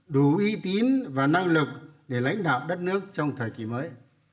đủ uy tín và năng lực để lãnh đạo đất nước trong thời kỳ mới